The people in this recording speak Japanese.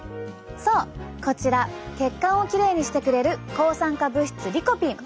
そうこちら血管をきれいにしてくれる抗酸化物質リコピン。